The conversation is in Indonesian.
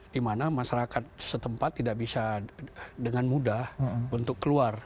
di mana masyarakat setempat tidak bisa dengan mudah untuk keluar